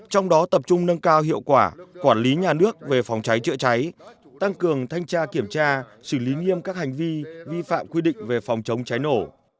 trong đó tập trung nâng cao hiệu quả quản lý nhà nước về phòng cháy chữa cháy tăng cường thanh tra kiểm tra xử lý nghiêm các hành vi vi phạm quy định về phòng chống cháy nổ